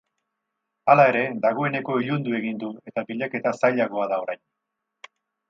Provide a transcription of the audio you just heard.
Hala ere, dagoeneko ilundu egin du eta bilaketa zailagoa da orain.